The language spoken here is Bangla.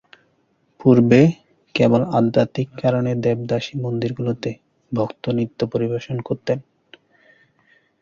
পূর্বে, কেবল আধ্যাত্মিক কারণে দেবদাসী মন্দিরগুলিতে ভক্ত নৃত্য পরিবেশন করতেন।